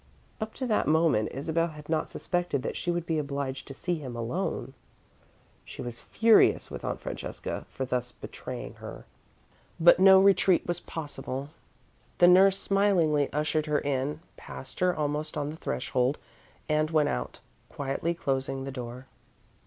Up to that moment, Isabel had not suspected that she would be obliged to see him alone. She was furious with Aunt Francesca for thus betraying her, but no retreat was possible. The nurse smilingly ushered her in, passed her almost on the threshold, and went out, quietly closing the door.